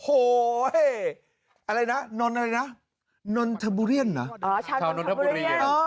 โอ้โหเฮ้อะไรนะนอนอะไรนะนอนทะบุเรียนอ๋อชาวนอนทะบุเรียน